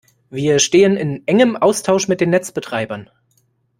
Wir stehen in engem Austausch mit den Netzbetreibern.